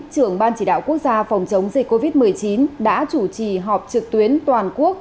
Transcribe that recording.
trưởng ban chỉ đạo quốc gia phòng chống dịch covid một mươi chín đã chủ trì họp trực tuyến toàn quốc